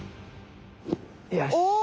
よし！